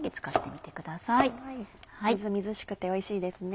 みずみずしくておいしいですね。